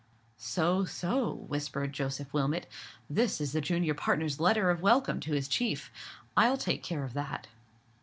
"So, so," whispered Joseph Wilmot, "this is the junior partner's letter of welcome to his chief. I'll take care of that."